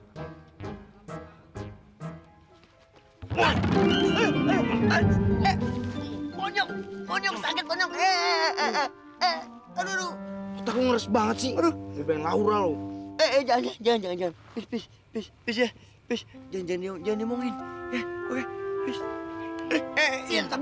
kalo kaya aku mau ngasih setengah hartanya untuk tante mirna